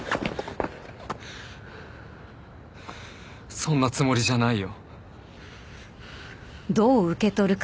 そんなつもりじゃないよ。